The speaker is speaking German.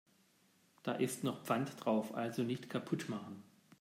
Da ist noch Pfand drauf, also nicht kaputt machen.